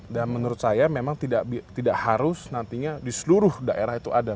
dan menurut saya memang tidak harus nantinya di seluruh daerah itu ada